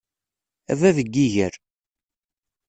A bab n yiger.